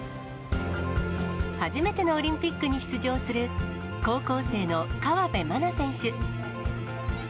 初めてのオリンピックに出場する高校生の河辺愛菜選手。